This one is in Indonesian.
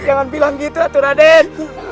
jangan bilang gitu atau raden